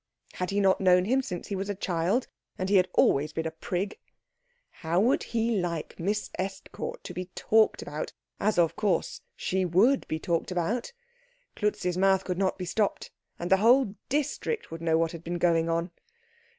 Had he not known him since he was a child? And he had always been a prig. How would he like Miss Estcourt to be talked about, as of course she would be talked about? Klutz's mouth could not be stopped, and the whole district would know what had been going on.